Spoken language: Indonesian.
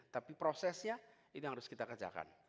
tapi prosesnya ini yang harus kita kerjakan